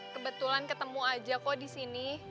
kebetulan ketemu aja kok disini